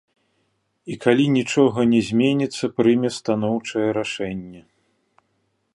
І калі нічога не зменіцца, прыме станоўчае рашэнне.